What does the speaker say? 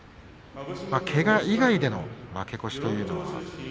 けが以外での負け越しとなりました。